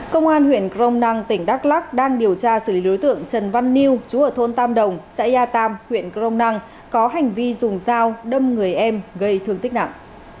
công an huyện krong nang tỉnh đắk lắc đang điều tra xử lý đối tượng trần văn niu chú ở thôn tam đồng xã gia tam huyện krong nang có hành vi dùng dao đâm người em gây thương tích nặng